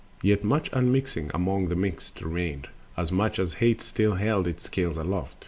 Yet much unmixed among the mixed remained, As much as Hate still held in scales aloft.